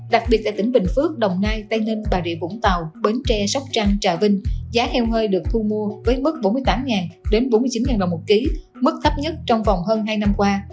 đặc biệt tại tỉnh bình phước đồng nai tây ninh bà rịa vũng tàu bến tre sóc trăng trà vinh giá heo hơi được thu mua với mức bốn mươi tám đến bốn mươi chín đồng một ký mức thấp nhất trong vòng hơn hai năm qua